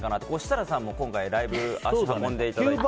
設楽さんも今回ライブに足を運んでいただいて。